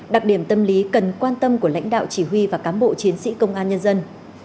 đặc điểm tâm lý cần quan tâm của lãnh đạo chỉ huy và cám bộ chiến sĩ công an nhân dân